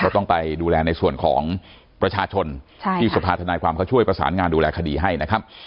ต้องไปดูแลในส่วนของประชาชนที่สภาธนายความเขาช่วยประสานงานดูแลคดีให้นะครับ